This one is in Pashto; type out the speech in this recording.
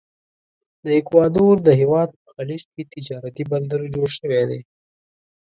د اکوادور د هیواد په خلیج کې تجارتي بندر جوړ شوی دی.